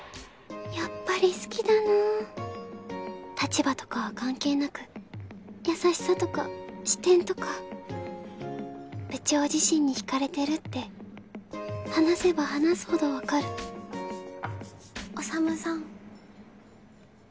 やっぱり好きだなあ立場とかは関係なく優しさとか視点とか部長自身に引かれてるって話せば話すほど分かる宰さん